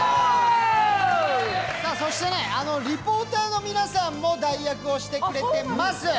そして、リポーターの皆さんも代役をしてくれてます。